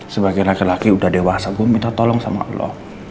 sebagai laki laki udah dewasa gue minta tolong sama allah